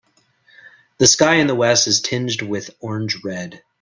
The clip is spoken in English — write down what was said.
The sky in the west is tinged with orange red.